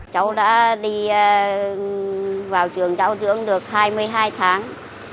cháu đã đi vào trường giáo dưỡng được hai mươi hai tháng